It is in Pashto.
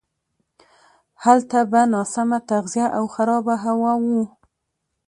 هلته به ناسمه تغذیه او خرابه هوا وه.